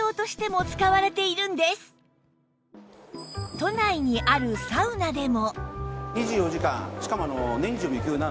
都内にあるサウナでも